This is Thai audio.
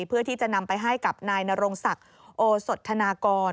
เพื่อที่จะนำไปให้กับนายนรงศักดิ์โอสดธนากร